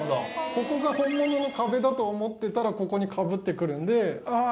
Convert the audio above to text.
ここが本物の壁だと思ってたらここにかぶってくるんであぁ！